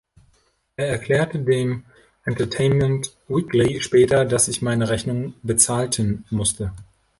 Er erklärte dem „Entertainment Weekly“ später, dass „ich meine Rechnungen bezahlten musste“.